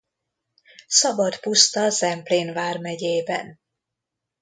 Szabad puszta Zemplén Vármegyében.